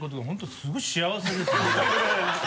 すごい幸せですね。